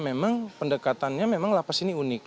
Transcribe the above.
memang pendekatannya memang lapas ini unik